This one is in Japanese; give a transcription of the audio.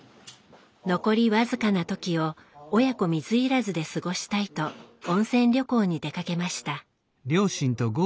残り僅かな時を親子水入らずで過ごしたいと温泉旅行に出かけました。